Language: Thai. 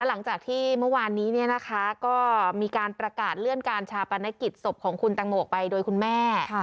หลังจากที่เมื่อวานนี้ก็มีการประกาศเลื่อนการชาปนกิจศพของคุณตังโมไปโดยคุณแม่